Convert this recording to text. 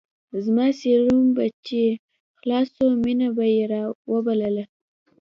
زما سيروم به چې خلاص سو مينه به يې راوبلله.